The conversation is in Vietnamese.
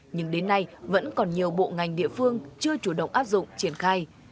nhưng đến nay vẫn còn nhiều bộ ngành địa phương chưa chủ động áp dụng triển khai